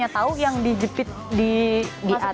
karena aku hanya tau yang dijepit di atas ya